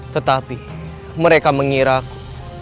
tetapi mereka mengira aku